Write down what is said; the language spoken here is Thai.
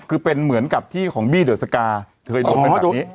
คือเป็นเหมือนกับที่ของบี้เดอร์สการ์เคยโดนเป็นแบบนี้อ๋อ